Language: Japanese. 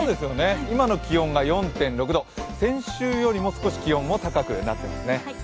今の気温が４．６度、先週よりも少し気温も高くなっていますね。